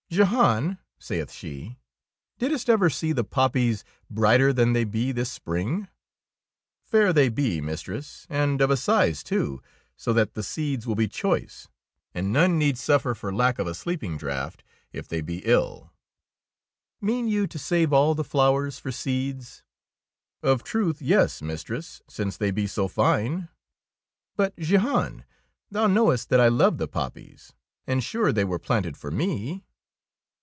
"Jehan," saith she, "didst ever see the poppies brighter than they be this spring?" " Fair they be, mistress, and of a size too, so that the seeds will be choice, and none need suffer for lack of a sleeping draught if they be ill!" 21 DEEDS OF DABING " Mean yon to save all the flowers for seeds ? Of a truth, yes, mistress, since they be so fine.'^ '^But, Jehan, thou knowest that I love the poppies, and sure they were planted for me.